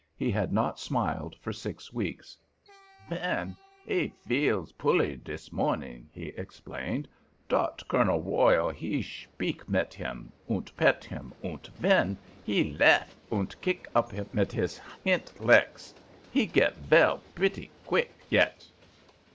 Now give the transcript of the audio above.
He had not smiled for six weeks. "Ven he veels pully dis morning," he explained. "Dot Colonel Royle he shpeak mit him unt pet him, unt Ven, he laeff unt gick up mit his hint lecks. He git vell bretty gwick yet."